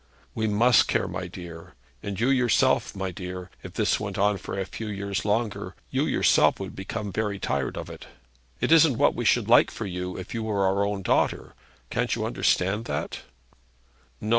'We must care, my dear. And you yourself, my dear if this went on for a few years longer, you yourself would become very tired of it. It isn't what we should like for you, if you were our own daughter. Can't you understand that?'